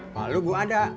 palu gua ada